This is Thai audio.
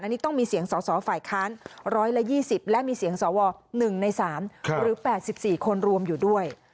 อันนี้ต้องมีเสียงสอสอฝ่ายค้าน๑๒๐และมีเสียงสว๑ใน๓หรือ๘๔คนรวมอยู่ด้วย